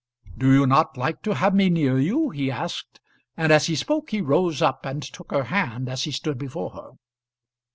"Do you not like to have me near you?" he asked; and as he spoke he rose up, and took her hand as he stood before her.